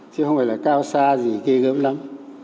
chứ không phải là cao xa gì ghê gớm lắm